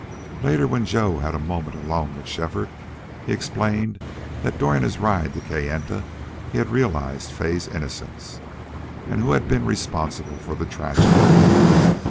Later when Joe had a moment alone with Shefford he explained that during his ride to Kayenta he had realized Fay's innocence and who had been responsible for the tragedy.